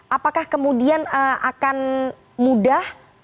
apakah kemudian akan mudah